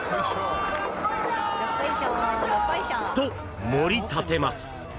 ［ともり立てます］